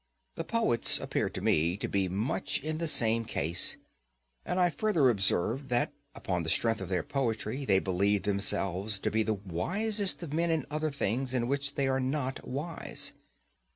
The poets appeared to me to be much in the same case; and I further observed that upon the strength of their poetry they believed themselves to be the wisest of men in other things in which they were not wise.